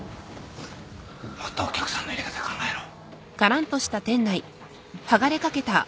もっとお客さんの入れ方考えろ。